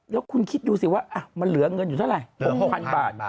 แล้วคุณคิดดูสิว่ามันเหลือเงินอยู่เท่าไหร่๖๐๐๐บาท